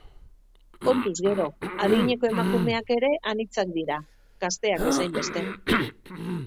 Kontuz gero, adineko emakumeak ere anitzak dira, gazteak bezainbeste.